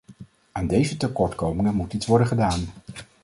Aan deze tekortkomingen moet iets worden gedaan.